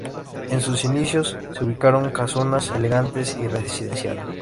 En sus inicios se ubicaron casonas elegantes y residenciales.